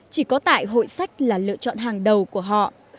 chỉ có tại hội sách là lựa chọn hàng đầu của họ